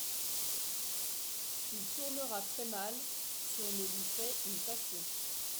Il tournera très mal, si on ne lui fait une passion.